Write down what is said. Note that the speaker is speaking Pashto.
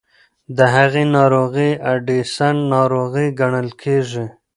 د هغې ناروغۍ اډیسن ناروغي ګڼل کېږي.